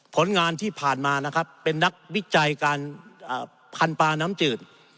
ผลงานที่ผ่านมาเป็นนักวิจัยการผ่านปลาน้ำจืด